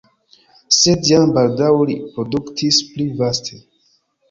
Sed jam baldaŭ ili produktis pli vaste.